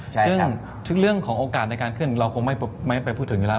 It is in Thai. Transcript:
ซึ่งเรื่องของโอกาสในการขึ้นเราคงไม่ไปพูดถึงอยู่แล้ว